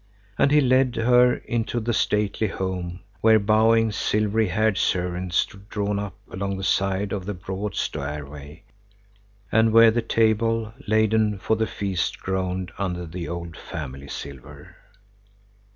And he led her into the stately home, where bowing, silvery haired servants stood drawn up along the side of the broad stairway and where the table laden for the feast groaned under the old family silver.